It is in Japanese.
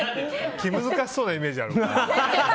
気難しそうなイメージが。